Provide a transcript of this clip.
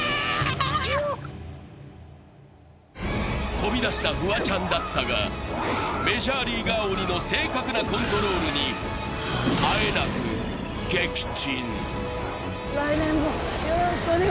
飛び出したフワちゃんだったが、メジャーリーガー鬼の正確なコントロールにあえなく撃沈。